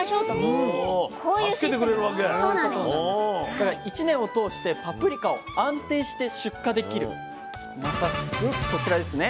だから１年を通してパプリカを安定して出荷できるまさしくこちらですね。